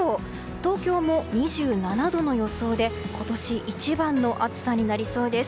東京も２７度の予想で今年一番の暑さになりそうです。